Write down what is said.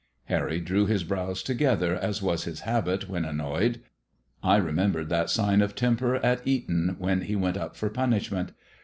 Harry drew his brows together, as was his habit when annoyed. I remembered that sign of temper at Eton when he went up for punishment.